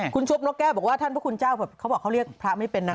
คุณชุบนกแก้วบอกว่าท่านพระคุณเจ้าเขาบอกเขาเรียกพระไม่เป็นนะ